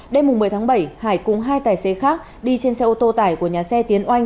đêm một mươi tháng bảy hải cùng hai tài xế khác đi trên xe ô tô tải của nhà xe tiến oanh